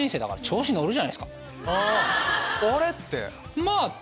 あれ⁉って。